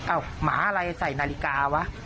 หมาอะไรใส่นาฬิกาวะ